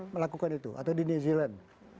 melakukan itu atau di new zealand